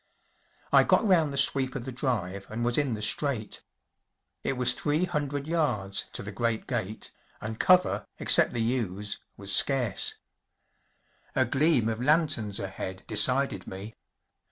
I got round the sweep of the drive and was in the straight. It was three hundred yards to the great gate, and cover, except the yews, was scarce. A gleam of lanterns ahead decided me.